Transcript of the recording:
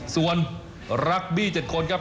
ส่วนรักบี้๗คนครับ